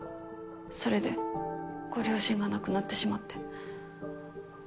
それでご両親が亡くなってしまって。